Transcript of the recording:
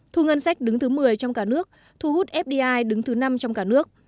thu ngân sách đứng thứ một mươi trong cả nước thu hút fdi đứng thứ năm trong cả nước